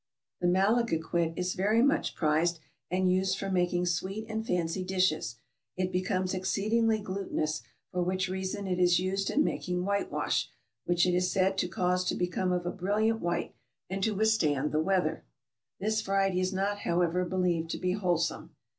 The malagequit is very much prized, and used for mak ing sweet and fancy dishes; it becomes exceedingly glutin ous, for which reason it is used in making whitewash, which it is said to cause to become of a brilliant white, and to withstand the weather. This variety is not, however, be lieved to be wholesome.